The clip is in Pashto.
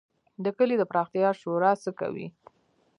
د کلي د پراختیا شورا څه کوي؟